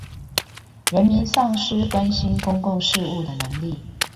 人民喪失了關心公共事務的能力